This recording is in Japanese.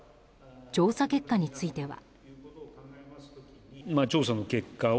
調査結果については。